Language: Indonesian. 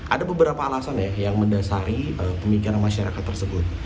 ada beberapa alasan ya yang mendasari pemikiran masyarakat tersebut